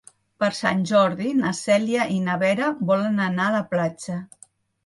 Per Sant Jordi na Cèlia i na Vera volen anar a la platja.